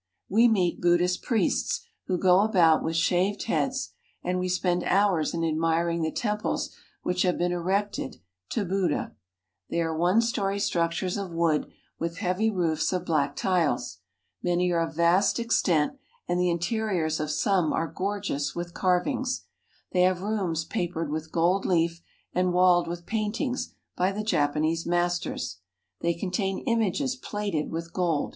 We meet Buddhist priests, who go about with shaved heads, and we spend hours in admiring the temples which have been erected to Buddha. They are one story struc tures of wood, with heavy roofs of black tiles. Many are of vast extent, and the interiors of some are gorgeous with carvings. They have rooms papered with gold leaf and walled with paintings by the Japanese masters. They contain images plated with gold.